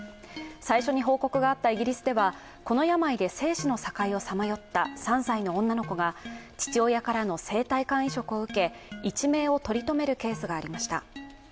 最初に報告があったイギリスではこの病で生死の境をさまよった３歳の女の子が父親からの生体肝移植を受け一命を取り留めるケースがありました。